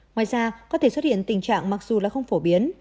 ngoài ra có thể xuất hiện tình trạng mặc dù là không phổ biến